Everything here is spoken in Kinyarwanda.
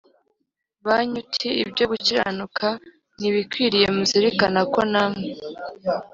banyu t ibyo gukiranuka n ibikwiriye muzirikana ko namwe